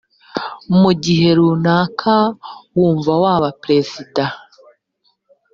mu gihe runaka wumva waba perezida